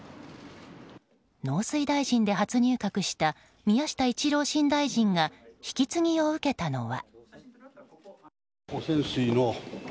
農水大臣で初入閣した宮下一郎新大臣が引き継ぎを受けたのは。